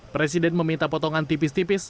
presiden meminta potongan tipis tipis